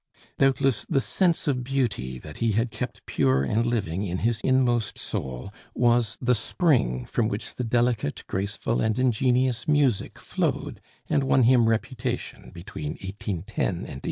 Doubtless the sense of beauty that he had kept pure and living in his inmost soul was the spring from which the delicate, graceful, and ingenious music flowed and won him reputation between 1810 and 1814.